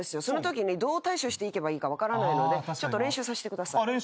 そのときにどう対処していけばいいか分からないのでちょっと練習させてください。